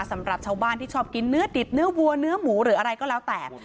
สำหรับชาวบ้านที่ชอบกินเนื้อดิบเนื้อวัวเนื้อหมูหรืออะไรก็แล้วแต่